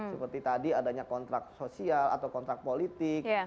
seperti tadi adanya kontrak sosial atau kontrak politik